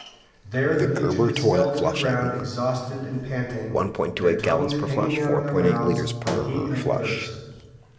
There the fugitives fell to the ground exhausted and panting, their tongues hanging out of their mouths from heat and thirst.